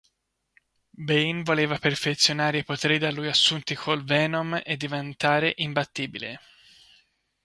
Bane voleva perfezionare i poteri da lui assunti col Venom e diventare imbattibile.